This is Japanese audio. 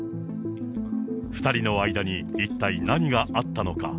２人の間に一体何があったのか。